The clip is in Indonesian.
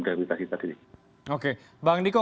rehabilitasi tadi oke bang niko